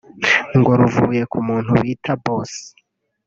ngo ruvuye ku muntu bita Boss